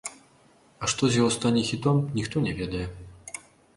А што з яго стане хітом, ніхто не ведае.